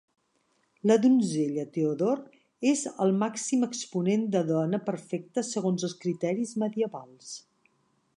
La donzella Teodor és el màxim exponent de dona perfecta segons els criteris medievals.